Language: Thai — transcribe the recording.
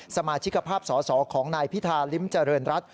สมาชิกภาพสอสอของนายพิธาลิ้มเจริญรัฐ